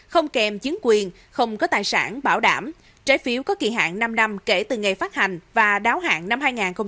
không kèm chứng quyền không có tài sản bảo đảm trái phiếu có kỳ hạn năm năm kể từ ngày phát hành và đáo hạn năm hai nghìn một mươi chín